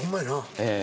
ええ。